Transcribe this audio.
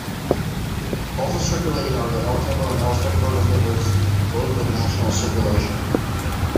Also circulating are the El Tiempo and El Espectador newspapers, both with national circulation.